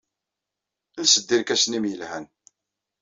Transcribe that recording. Els-d irkasen-nnem yelhan.